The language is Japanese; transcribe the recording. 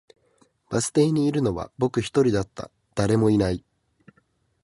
バス停にいるのは僕一人だった、誰もいない